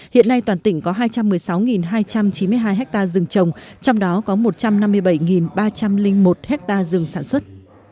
hiện nay toàn tỉnh có hai trăm một mươi sáu hai trăm chín mươi hai ha rừng trồng trong đó có một trăm năm mươi bảy ba trăm linh một ha rừng sản xuất